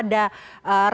dan juga retoris